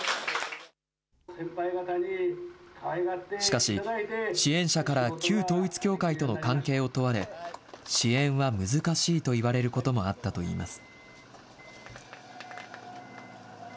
しかし、支援者から旧統一教会との関係を問われ、支援は難しいと言われることもあったといいます。